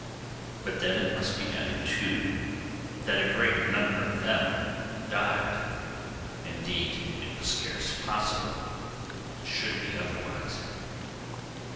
But then it must be added, too, that a great number of them died; indeed it was scarce possible it should be otherwise.